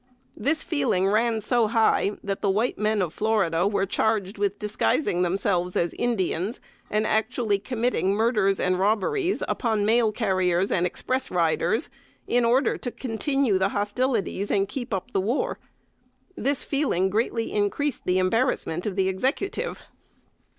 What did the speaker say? This feeling ran so high that the white men of Florida were charged with disguising themselves as Indians, and actually committing murders and robberies upon mail carriers and express riders, in order to continue hostilities and keep up the war. This feeling greatly increased the embarrassment of the Executive.